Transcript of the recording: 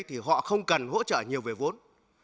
thì họ không cần hỗ trợ nhiều về vốn